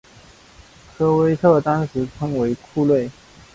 科威特当时称为库锐。